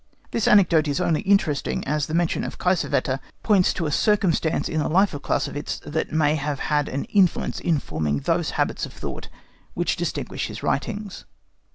This anecdote is only interesting as the mention of Kiesewetter points to a circumstance in the life of Clausewitz that may have had an influence in forming those habits of thought which distinguish his writings.